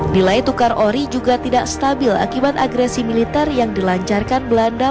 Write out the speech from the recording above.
nilai tukar ori juga tidak stabil akibat agresi militer yang dilancarkan belanda